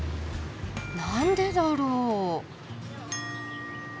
何でだろう？